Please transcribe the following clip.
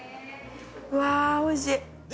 うわぁおいしい！